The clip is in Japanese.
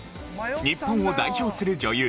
日本を代表する女優